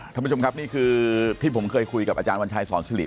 ท่านผู้ชมครับนี่คือที่ผมเคยคุยกับอาจารย์วัญชัยสอนสิริ